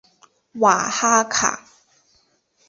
瓦哈卡。